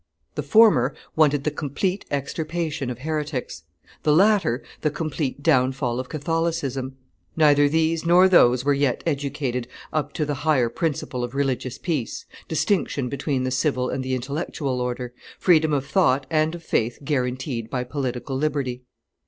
The former wanted the complete extirpation of heretics; the latter the complete downfall of Catholicism. Neither these nor those were yet educated up to the higher principle of religious peace, distinction between the civil and the intellectual order, freedom of thought and of faith guaranteed by political liberty.